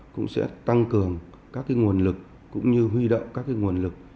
cũng sẽ tăng cường các nguồn lực cũng như huy động các nguồn lực